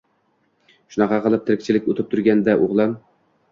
Shunaqa qilib tirikchilik o`tib turganda o`g`lim